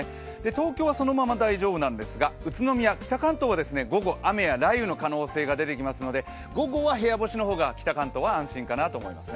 東京はそのまま大丈夫なんですが、北関東は午後は雨や雷雨の可能性が出てきますので午後は部屋干しの方が北関東は安心かなと思います。